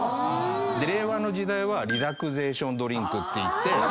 令和の時代はリラクゼーションドリンクっていって。